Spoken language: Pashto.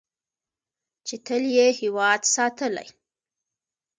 چې تل یې هیواد ساتلی.